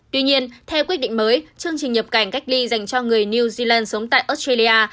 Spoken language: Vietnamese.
tuy nhiên theo quyết định mới chương trình nhập cảnh cách ly dành cho người new zealand sống tại australia